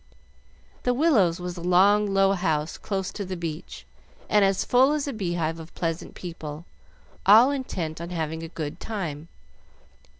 The Willows was a long, low house close to the beach, and as full as a beehive of pleasant people, all intent on having a good time.